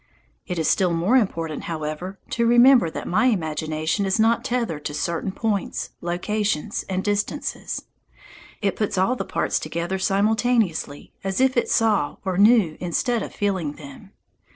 It is still more important, however, to remember that my imagination is not tethered to certain points, locations, and distances. It puts all the parts together simultaneously as if it saw or knew instead of feeling them.